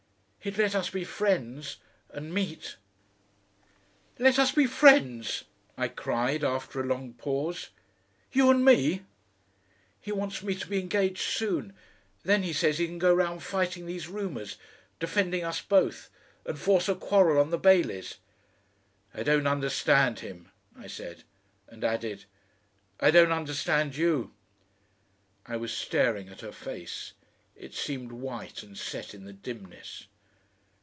"He'd let us be friends and meet." "Let us be friends!" I cried, after a long pause. "You and me!" "He wants me to be engaged soon. Then, he says, he can go round fighting these rumours, defending us both and force a quarrel on the Baileys." "I don't understand him," I said, and added, "I don't understand you." I was staring at her face. It seemed white and set in the dimness.